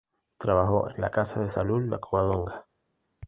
Trabajó en la casa de salud La Covadonga.